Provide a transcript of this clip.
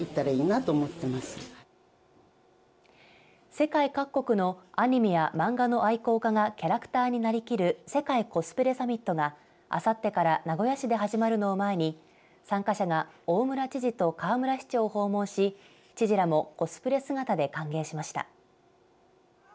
世界各国のアニメや漫画の愛好家がキャラクターになりきる世界コスプレサミットがあさってから名古屋市で始まるのを前に参加者が大村知事と河村市長を訪問し知事らもコスプレ姿で歓迎しました。